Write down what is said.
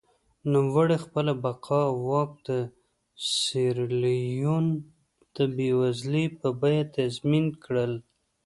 نوموړي خپله بقا او واک د سیریلیون د بېوزلۍ په بیه تضمین کړل.